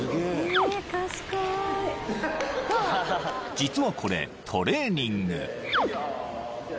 ［実はこれトレーニング］